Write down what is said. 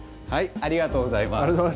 ありがとうございます。